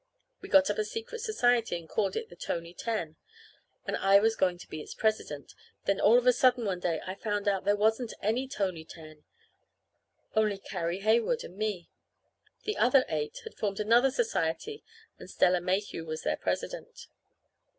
We got up a secret society and called it the "Tony Ten," and I was going to be its president. Then all of a sudden one day I found there wasn't any Tony Ten only Carrie Heywood and me. The other eight had formed another society and Stella Mayhew was their president.